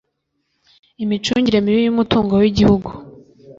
imicungire mibi y'umutungo w'igihugu